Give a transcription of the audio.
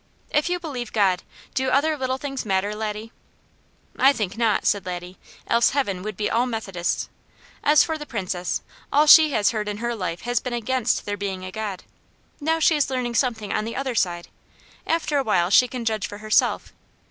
"If you believe God, do other little things matter, Laddie?" "I think not," said Laddie, "else Heaven would be all Methodists. As for the Princess, all she has heard in her life has been against there being a God. Now, she is learning something on the other side. After a while she can judge for herself.